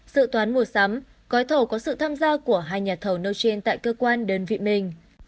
sự toán mua sắm gói thầu có sự tham gia của hai nhà thầu nêu trên tại cơ quan đơn vị mình